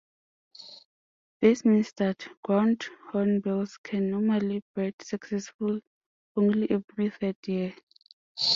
This means that ground hornbills can normally breed successfully only every third year.